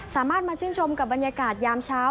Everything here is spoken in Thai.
สามารถมาชื่นชมกับบรรยากาศยามเช้า